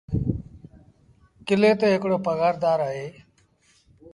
ڪلي تي هڪڙو پگھآر دآر اهي۔